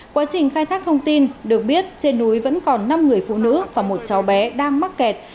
quá trình khai thác thông tin được biết trên núi vẫn còn năm người phụ nữ và một cháu bé đang mắc kẹt